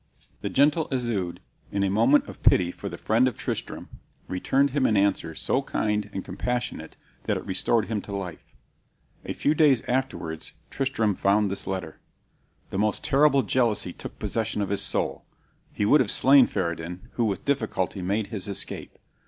The gentle Isoude, in a moment of pity for the friend of Tristram, returned him an answer so kind and compassionate that it restored him to life. A few days afterwards Tristram found this letter. The most terrible jealousy took possession of his soul; he would have slain Pheredin, who with difficulty made his escape.